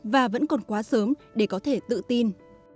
và vẫn còn quá sớm để có thể tự tin